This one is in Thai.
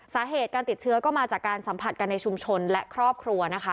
สาเหตุการติดเชื้อก็มาจากการสัมผัสกันในชุมชนและครอบครัวนะคะ